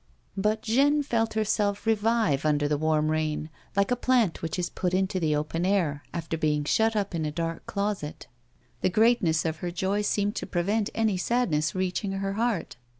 But Jeanne felt herself revive under this warm rain like a plant 10 A WOMAN'S LIFE. which is put into the open air after being shut up in a dark closet ; and the greatness of her joy seemed to prevent any sadness reaching her heart.